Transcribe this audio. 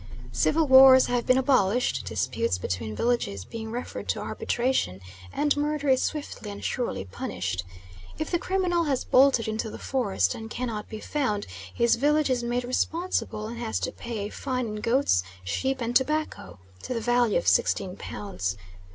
Civil wars have been abolished, disputes between villages being referred to arbitration, and murder is swiftly and surely punished. If the criminal has bolted into the forest and cannot be found, his village is made responsible, and has to pay a fine in goats, sheep and tobacco to the value of 16 pounds.